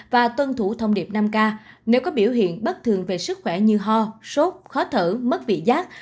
và tuân thủ thông điệp năm k nếu có biểu hiện bất thường về sức khỏe như ho sốt khó thở mất vị giác